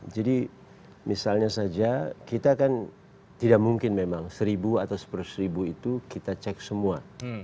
jadi misalnya saja kita kan tidak mungkin memang seribu atau sepuluh seribu itu kita cek semua